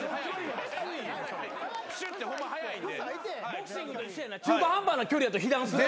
ボクシングと一緒やな中途半端な距離やと被弾する。